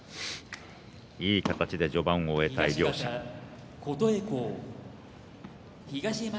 いい形で序盤を終えた両者です。